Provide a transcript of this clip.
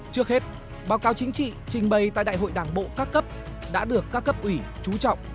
trước hết báo cáo chính trị trình bày tại đại hội đảng bộ các cấp đã được các cấp ủy trú trọng